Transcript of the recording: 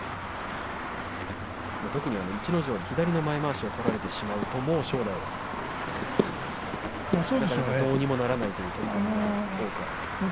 特に逸ノ城、左の前まわしを取られてしまうと正代はどうにもならないというところがあります。